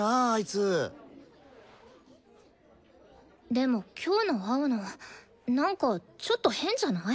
でも今日の青野なんかちょっと変じゃない？